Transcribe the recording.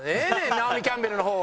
ナオミ・キャンベルの方は。